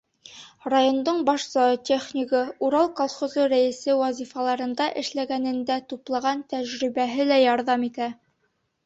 Райондың баш зоотехнигы, «Урал» колхозы рәйесе вазифаларында эшләгәнендә туплаған тәжрибәһе лә ярҙам итә.